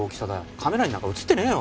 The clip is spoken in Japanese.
カメラになんか映ってねえよ。